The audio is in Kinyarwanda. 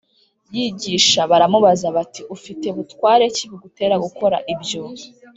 yigisha baramubaza bati “Ufite butware ki bugutera gukora ibyo?